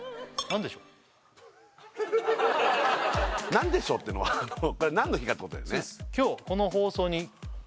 何でしょう？っていうのは何の日か？ってことだよね